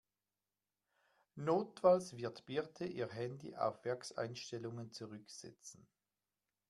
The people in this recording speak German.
Notfalls wird Birte ihr Handy auf Werkseinstellungen zurücksetzen.